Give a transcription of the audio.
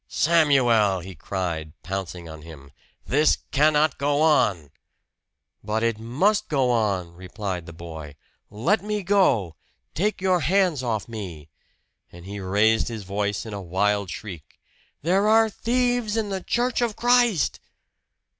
"Samuel!" he cried, pouncing upon him, "this cannot go on!" "But it must go on!" replied the boy. "Let me go! Take your hands off me!" And he raised his voice in a wild shriek. "There are thieves in the church of Christ!"